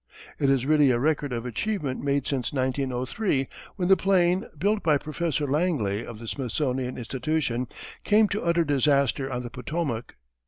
It is really a record of achievement made since 1903 when the plane built by Professor Langley of the Smithsonian Institution came to utter disaster on the Potomac.